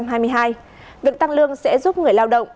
việc tăng lương sẽ giúp người lao động